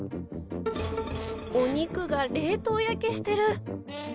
お肉が冷凍焼けしてる。